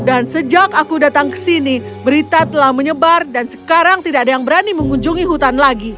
dan sejak aku datang ke sini berita telah menyebar dan sekarang tidak ada yang berani mengunjungi hutan lagi